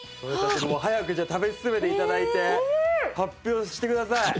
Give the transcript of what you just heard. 早く食べ進めて頂いて発表してください！